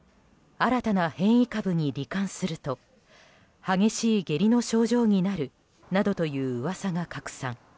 新たな変異株に罹患すると激しい下痢の症状になるなどという噂が拡散。